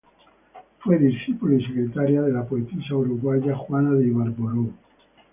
Fue discípula y secretaria de la poetisa uruguaya Juana de Ibarbourou.